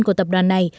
của tập đoàn này